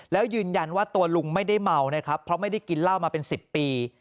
แล้วยืนยันว่าตัวลุงไม่ได้เมานะครับเพราะไม่ได้กินเหล้ามาเป็น๑๐ปี